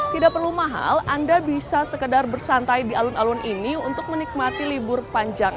tidak perlu mahal anda bisa sekedar bersantai di alun alun ini untuk menikmati libur panjang